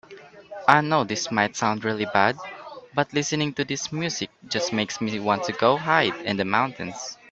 I know this might sound really bad, but listening to this music just makes me want to go hide in the mountains.